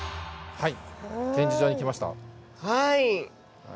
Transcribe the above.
はい。